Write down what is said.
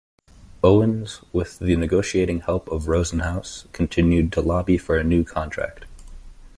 Owens, with the negotiating help of Rosenhaus, continued to lobby for a new contract.